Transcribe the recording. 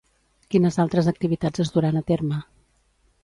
Quines altres activitats es duran a terme?